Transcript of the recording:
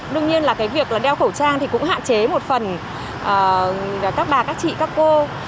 đương nhiên là cái việc là đeo khẩu trang thì cũng hạn chế một phần các bà các chị các cô